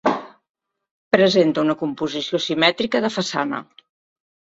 Presenta una composició simètrica de façana.